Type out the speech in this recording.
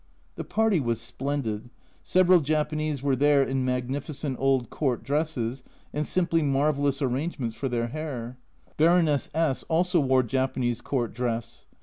The party was splendid several Japanese were there in magnificent old court dresses and simply marvellous arrangements for their hair. Baroness S also wore Japanese court dress.